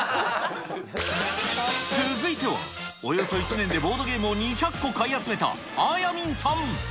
続いては、およそ１年でボードゲームを２００個買い集めた、あやみんさ